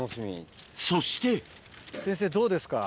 そして先生どうですか？